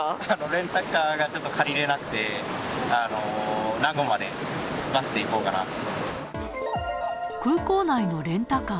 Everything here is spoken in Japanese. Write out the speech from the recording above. レンタカーがちょっと借りれなくて、名護までバスで行こうかなと。